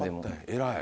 偉い。